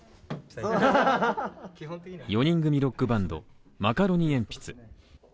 ４人組ロックバンド、マカロニえんぴつ。